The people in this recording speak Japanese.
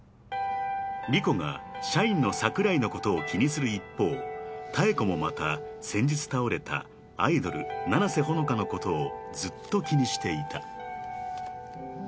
［莉湖が社員の櫻井のことを気にする一方妙子もまた先日倒れたアイドル七瀬ほのかのことをずっと気にしていた］